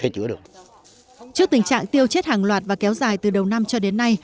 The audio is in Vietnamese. các trụ tiêu chết hàng loạt và kéo dài từ đầu năm cho đến nay